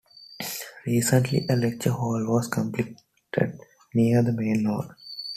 Recently, a lecture hall was completed near the main hall.